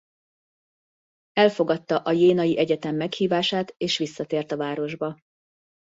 Elfogadta a jénai egyetem meghívását és visszatért a városba.